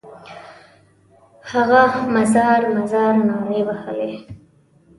هغه مزار مزار نارې وهلې.